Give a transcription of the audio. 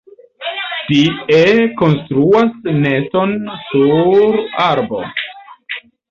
Tie konstruas neston sur arbo.